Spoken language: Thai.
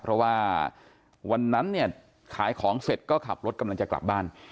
เพราะว่าวันนั้นเนี่ยขายของเสร็จก็ขับรถกำลังจะกลับบ้าน